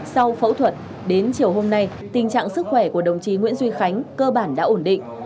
sau phẫu thuật đến chiều hôm nay tình trạng sức khỏe của đồng chí nguyễn duy khánh cơ bản đã ổn định